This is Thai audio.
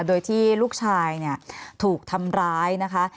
โดยที่ลูกชายถูกทำร้ายนะคะ